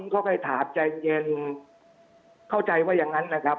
ก็ไปถามใจเย็นเข้าใจว่าอย่างนั้นนะครับ